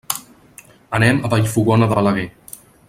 Anem a Vallfogona de Balaguer.